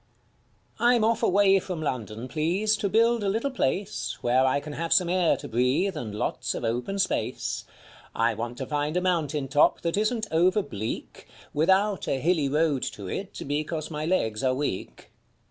I'M off away from London, please, to build a little place I Where I can have some air to breathe and lots of open space ; I want to find a mountain top that isn't over bleak. Without a hilly road to it, because my legs are weak.